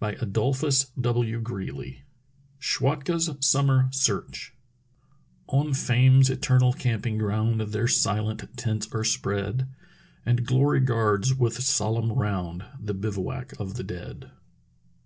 SCHWATKA'S SUMMER SEARCH SCHWATKA'S SUMMER SEARCH 0n Fame's eternal camping ground Their silent tents are spread, And glory guards with solemn round The bivouac of the dead."